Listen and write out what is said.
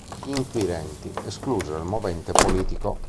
Gli inquirenti esclusero il movente politico.